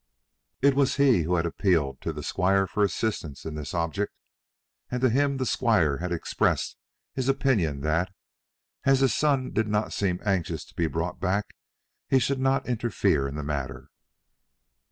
It was he who had appealed to the squire for assistance in this object, and to him the squire had expressed his opinion that, as his son did not seem anxious to be brought back, he should not interfere in the matter.